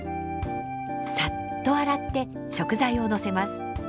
さっと洗って食材を乗せます。